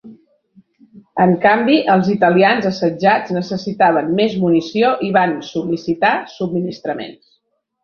En canvi, els italians assetjats necessitaven més munició i van sol·licitar subministraments.